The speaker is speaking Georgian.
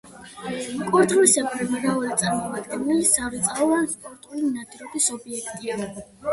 კურდღლისებრთა მრავალი წარმომადგენელი სარეწაო ან სპორტული ნადირობის ობიექტია.